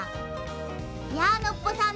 いやノッポさん